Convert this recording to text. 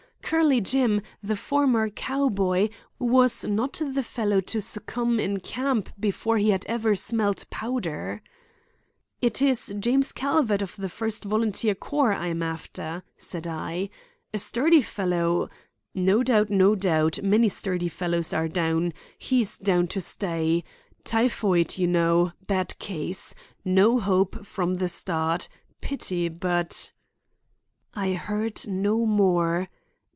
Curly Jim, the former cowboy, was not the fellow to succumb in camp before he had ever smelt powder. "It is James Calvert of the First Volunteer Corps I am after," said I. "A sturdy fellow—" "No doubt, no doubt. Many sturdy fellows are down. He's down to stay. Typhoid, you know. Bad case. No hope from the start. Pity, but—" I heard no more.